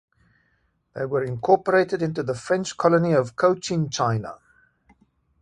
They were incorporated into the French colony of Cochinchina.